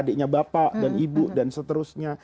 adiknya bapak dan ibu dan seterusnya